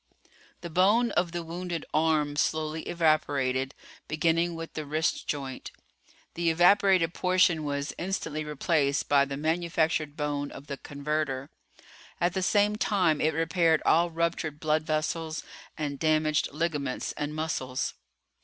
The bone of the wounded arm slowly evaporated, beginning with the wrist joint. The evaporated portion was instantly replaced by the manufactured bone of the converter. At the same time it repaired all ruptured blood vessels and damaged ligaments and muscles.